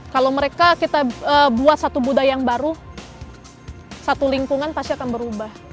kalau mereka kita buat satu budaya yang baru satu lingkungan pasti akan berubah